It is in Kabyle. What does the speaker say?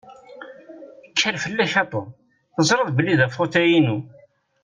Kker fell-ak a Tom! Teẓṛiḍ belli d afutay-inu.